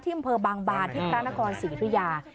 อำเภอบางบานที่พระนครศรียุธยา